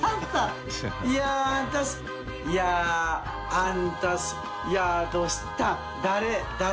い笋あんたいやどうした。